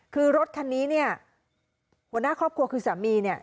คือรถคันนี้เนี่ยหัวหน้าครอบครัวคือสามีเนี่ย